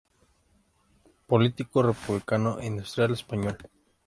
Político republicano e industrial español.